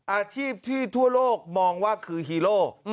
อาชีพที่ทั่วโลกมองว่าคือฮีโร่